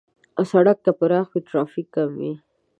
سړک که پراخ وي، ترافیک کم وي.